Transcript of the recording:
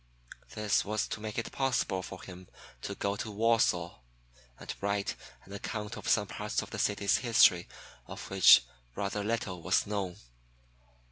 This was to make it possible for him to go to Warsaw, and write an account of some parts of the city's history of which rather little was known.